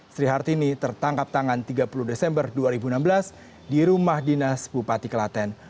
sri hartini tertangkap tangan tiga puluh desember dua ribu enam belas di rumah dinas bupati kelaten